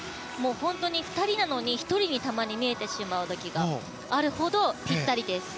２人なのに１人に見えてしまう時があるほど、ぴったりです。